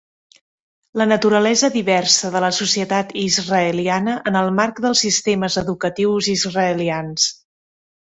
La naturalesa diversa de la societat israeliana en el marc dels sistemes educatius israelians.